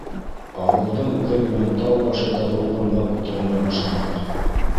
Ауылдың үҙәгенән тау башындағы урамға күтәрелә башланыҡ.